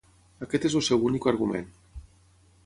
Aquest és el seu únic argument.